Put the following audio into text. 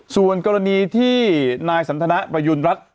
ส่วนกรณีที่นายสันทนาประยุณรัฐ